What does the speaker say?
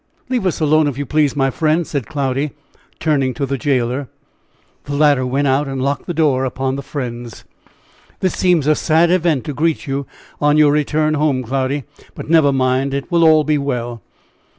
Leave us alone, if you please, my friend," said Cloudy, turning to the jailor. The latter went out and locked the door upon the friends. "This seems a sad event to greet you on your return home. Cloudy; but never mind, it will all be well!"